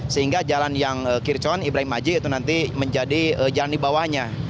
sehingga jalan yang kircon ibrahim maji itu nanti menjadi jalan di bawahnya